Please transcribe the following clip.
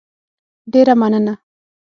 ډېره مننه